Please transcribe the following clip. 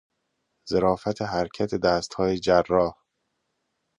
ظرافت حرکت دستهای جراح